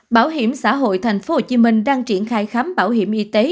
bảo hiểm xã hội thành phố hồ chí minh đang triển khai khám bảo hiểm y tế